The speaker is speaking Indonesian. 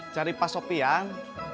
cari pak sopian